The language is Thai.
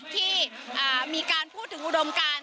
ที่มีการพูดถึงอุดมการ